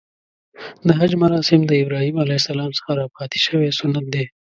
د حج مراسم د ابراهیم ع څخه راپاتې شوی سنت دی .